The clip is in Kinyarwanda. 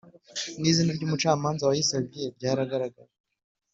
n izina ry umucamanza wayisabye ryaragaragaye